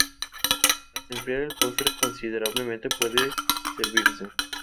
Tras enfriar el postre considerablemente, puede servirse.